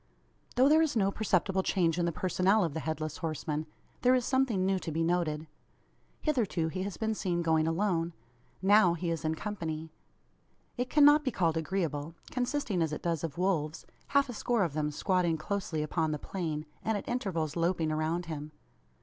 Though there is no perceptible change in the personnel of the Headless Horseman there is something new to be noted. Hitherto he has been seen going alone. Now he is in company. It cannot be called agreeable; consisting as it does of wolves half a score of them squatting closely upon the plain, and at intervals loping around him.